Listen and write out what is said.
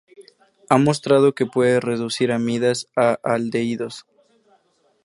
Ha mostrado que puede reducir amidas a aldehídos.